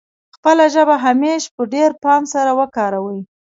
خپله ژبه همېش په ډېر پام سره وکاروي.